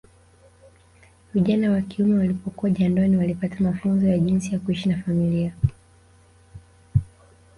Vijana wa kiume walipokuwa jandoni walipata mafunzo jinsi ya kuishi na familia